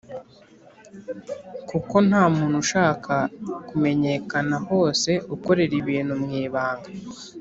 Kuko nta muntu ushaka kumenyekana hose ukorera ibintu mu ibanga